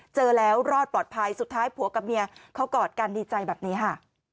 เจอแล้วรอดปลอดภัยสุดท้ายผัวกับเมียเขากอดกันดีใจแบบนี้ค่ะ